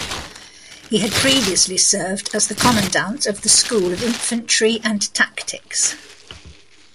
He had previously served as the commandant of the School of Infantry and Tactics.